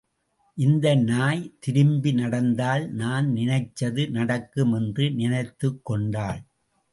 இந்த நாய் திரும்பி நடந்தால் நான் நினைச்சது நடக்கும் என்று நினைத்துக் கொண்டாள்.